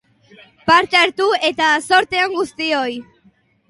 Parte hartu eta zorte on guztioi!